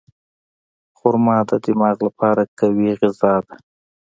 خرما د دماغ لپاره مقوي غذا ده.